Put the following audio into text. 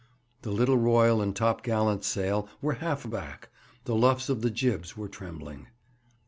The little royal and top gallant sail were half aback; the luffs of the jibs were trembling.